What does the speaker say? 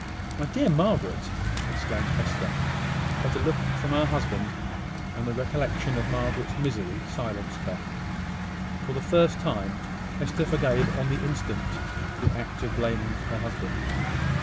"My dear Margaret!" exclaimed Hester: but a look from her husband, and the recollection of Margaret's misery, silenced her. For the first time Hester forgave on the instant the act of blaming her husband.